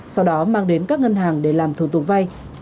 sau đó mang đến các ngân hàng để làm thủ tục vay